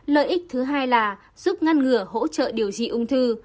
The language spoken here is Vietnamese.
lợi ích thứ hai là giúp ngăn ngừa hỗ trợ điều trị ung thư